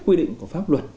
quy định của pháp luật